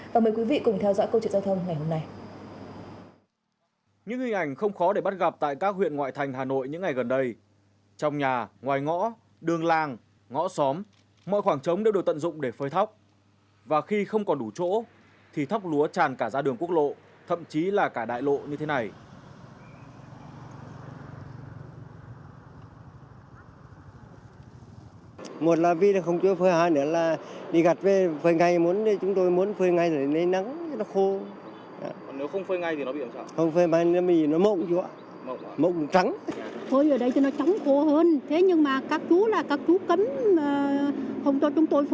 và mời quý vị cùng theo dõi câu chuyện giao thông ngày hôm nay